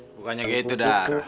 bukannya gitu dar